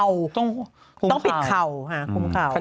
อ่ากระโปรงมูลของขาวต้องปิดเขานาคัน